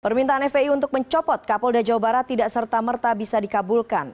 permintaan fpi untuk mencopot kapolda jawa barat tidak serta merta bisa dikabulkan